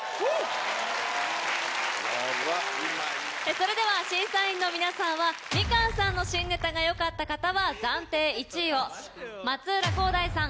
それでは審査員の皆さんはみかんさんの新ネタがよかった方は暫定１位を松浦航大さん